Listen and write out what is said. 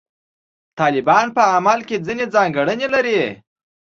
طالبان په عمل کې ځینې ځانګړنې لري.